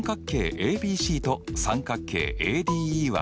ＡＢＣと三角形ＡＤＥは相似。